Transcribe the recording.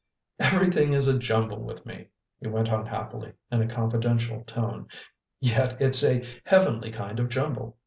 "Everything is a jumble with me," he went on happily, in a confidential tone, "yet it's a heavenly kind of jumble.